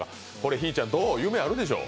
ひぃちゃん、夢あるでしょう？